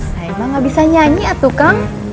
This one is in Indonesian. saya mah gak bisa nyanyi ya tukang